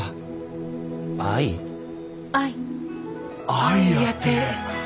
愛やて。